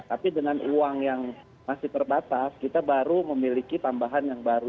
jadi kalau kita punya uang yang masih terbatas kita baru memiliki tambahan yang baru